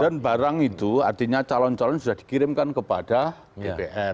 dan barang itu artinya calon calon sudah dikirimkan kepada dpr